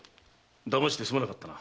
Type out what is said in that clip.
だましてすまなかったな。